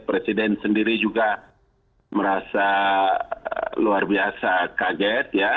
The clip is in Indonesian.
presiden sendiri juga merasa luar biasa kaget ya